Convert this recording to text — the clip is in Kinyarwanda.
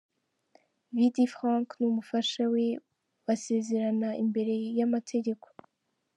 Vd Frank n'umufasha we basezerana imbere y'amategeko.